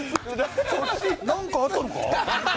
なんかあったのか？